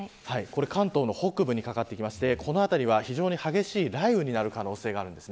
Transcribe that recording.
関東の北部にかかってきていてこの辺りは非常に激しい雷雨になる可能性があります。